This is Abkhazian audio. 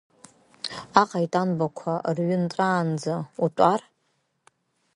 Аҟаитанбақәа рҩы нҵәаанӡа утәар…